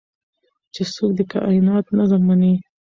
چې څوک د کائنات نظم مني